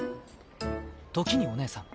時にお姉さん。